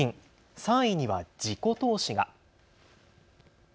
３位には自己投資が。